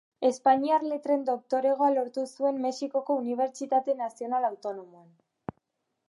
Espainiar letren doktoregoa lortu zuen Mexikoko Unibertsitate Nazional Autonomoan.